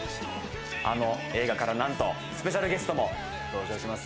あの映画からなんとスペシャルゲストも登場します。